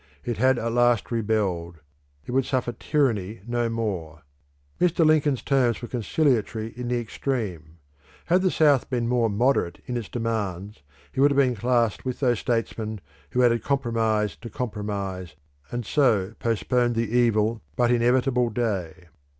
It had at last rebelled; it would suffer tyranny no more. Mr. Lincoln's terms were conciliatory in the extreme. Had the South been moderate in its demands, he would have been classed with those statesmen who added compromise to compromise, and so postponed the evil but inevitable day.